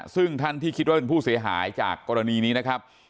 ซึ่งท่านที่คิดว่าเป็นผู้เสียหายจากกรณีนี้นะครับ